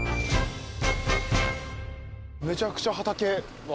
めちゃくちゃ畑。